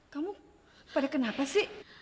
kamu pada kenapa sih